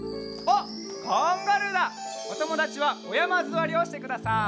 おともだちはおやまずわりをしてください。